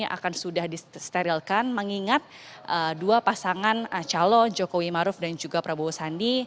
akan sudah disterilkan mengingat dua pasangan calon jokowi maruf dan juga prabowo sandi